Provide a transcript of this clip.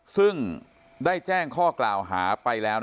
ซึ่งได้แจ้งข้อกล่าวหาไปแล้ว